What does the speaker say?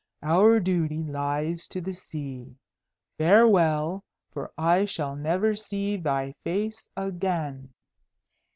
"Our duty lies to the sea. Farewell, for I shall never see thy face again."